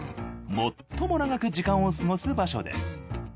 最も長く時間を過ごす場所です。